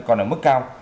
còn ở mức cao